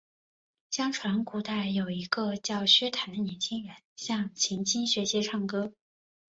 相传古代有一个名叫薛谭的年轻人向秦青学习唱歌。